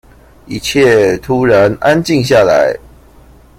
一切突然安靜下來